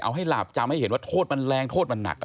เอาให้หลาบจำให้เห็นว่าโทษมันแรงโทษมันหนัก